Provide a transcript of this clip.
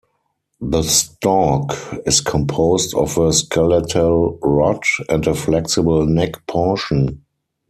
The stalk is composed of a skeletal rod and a flexible neck portion.